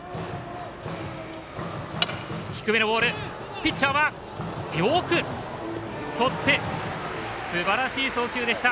ピッチャーはよくとってすばらしい送球でした。